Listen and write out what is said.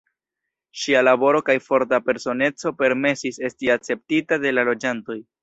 Ŝia laboro kaj forta personeco permesis esti akceptita de la loĝantoj.